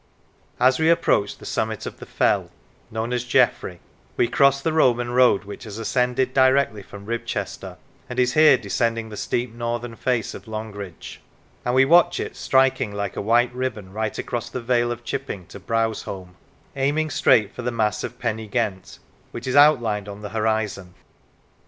As we approach the summit of the fell, known as Jeffrey, we cross the Roman road which has ascended directly from Rib chester, and is here descending the steep northern face of Longridge; and we watch it striking like a white ribbon right across the vale of Chipping to Browsholme, aiming straight for the mass of Pen y Ghent, which is outlined on the horizon.